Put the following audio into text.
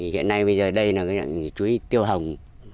hiện nay bây giờ đây là cái chuối tiêu hồng